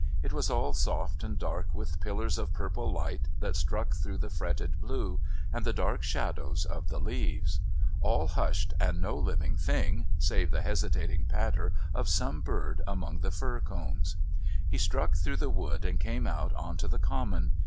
It was all soft and dark with pillars of purple light that struck through the fretted blue, and the dark shadows of the leaves. All hushed and no living thing save the hesitating patter of some bird among the fir cones. He struck through the wood and came out on to the Common.